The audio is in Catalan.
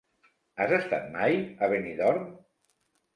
Has estat mai a Benidorm?